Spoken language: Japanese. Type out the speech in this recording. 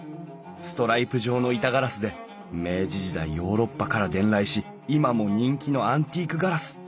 ストライプ状の板ガラスで明治時代ヨーロッパから伝来し今も人気のアンティークガラス。